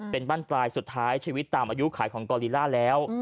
เป็นบ้านปลายสุดท้ายชีวิตตามอายุขายของกอลีล่าแล้ว